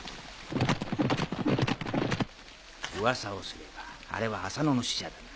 噂をすればあれはアサノの使者だな。